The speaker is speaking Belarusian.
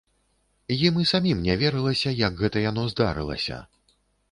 Ім і самім не верылася, як гэта яно здарылася.